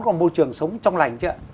một môi trường sống trong lành chứ ạ